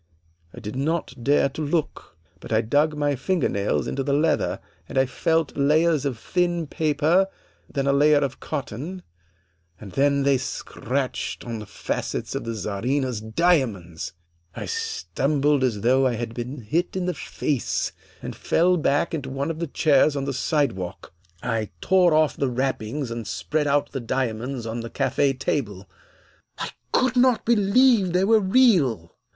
I did not dare to look, but I dug my finger nails into the leather and I felt layers of thin paper, then a layer of cotton, and then they scratched on the facets of the Czarina's diamonds! "I stumbled as though I had been hit in the face, and fell back into one of the chairs on the sidewalk. I tore off the wrappings and spread out the diamonds on the cafe table; I could not believe they were real.